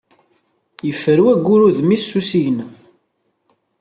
Yeffer wayyur udem-is s usigna.